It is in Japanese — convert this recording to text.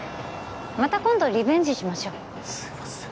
また今度リベンジしましょうすいません